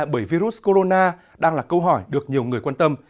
bởi virus corona đang là câu hỏi được nhiều người quan tâm